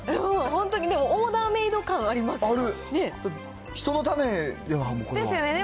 本当にね、オーダーメード感ありますよね。